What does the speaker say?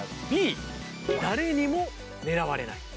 Ｂ誰にも狙われない。